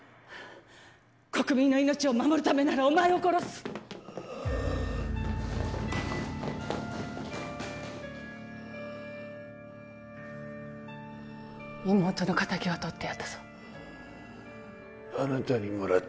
国民の命を守るためならお前を殺す妹のかたきは取ってやったぞあなたにもらった